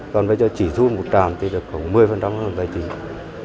còn bây giờ chỉ thu một trạm thì được khoảng một mươi phương án tài chính